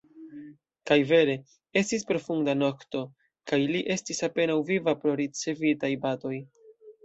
Kaj vere: estis profunda nokto, kaj li estis apenaŭ viva pro ricevitaj batoj.